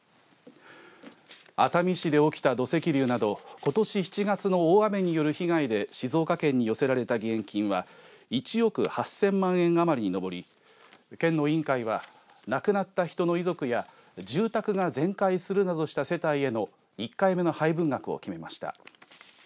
熱海市で起きた土石流などことし７月の大雨による被害で静岡県に寄せられた義援金は１億８０００万円余りに上り県の委員会は亡くなった人の遺族や住宅が全壊するなどした世帯への１回目の配分額を決めました。